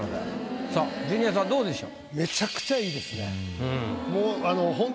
さあジュニアさんどうでしょう？